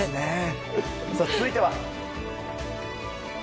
続いては。